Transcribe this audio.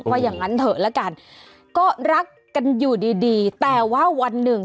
ว่าอย่างงั้นเถอะละกันก็รักกันอยู่ดีดีแต่ว่าวันหนึ่ง